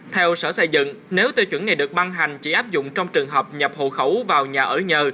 theo sở xây dựng nếu tiêu chuẩn này được ban hành chỉ áp dụng trong trường hợp nhập hộ khẩu vào nhà ở nhờ